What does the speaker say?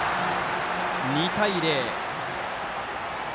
２対０。